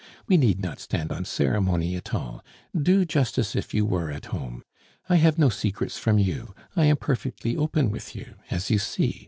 We need not stand on ceremony at all. Do just as if you were at home. I have no secrets from you; I am perfectly open with you, as you see.